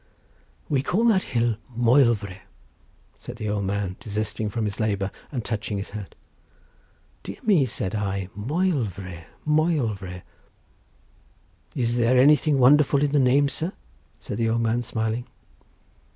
"We call that hill Moelfre," said the old man desisting from his labour, and touching his hat. "Dear me," said I; "Moelfre, Moelfre!" "Is there anything wonderful in the name, sir?" said the old man, smiling.